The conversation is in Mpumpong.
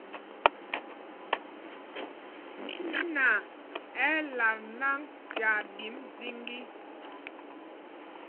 Niná ɛ́ ɛ́ lat nǎŋg tyaa ɗǐm zīgī.